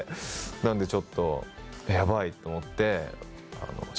なのでちょっとヤバいと思って。